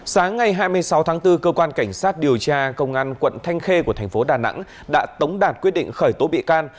sáng ngày hai mươi sáu tháng bốn cơ quan cảnh sát điều tra công an quận thanh khê của thành phố đà nẵng đã tống đạt quyết định khởi tố bị can